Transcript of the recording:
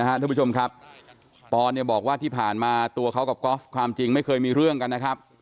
ท่านผู้ชมครับปอนเนี่ยบอกว่าที่ผ่านมาตัวเขากับกอล์ฟความจริงไม่เคยมีเรื่องกันนะครับ